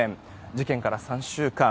事件から３週間。